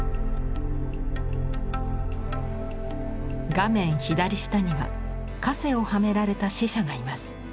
画面左下には枷をはめられた死者がいます。